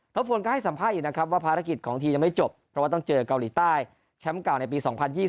บทวนก็ให้สัมภาษณ์อีกนะครับว่าภารกิจของทีมยังไม่จบเพราะว่าต้องเจอเกาหลีใต้แชมป์เก่าในปี๒๐๒๐